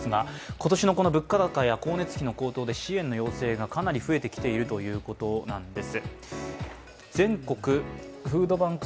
今年のこの物価高や光熱費の高騰で支援の要請がかなり増えてきているということなんです。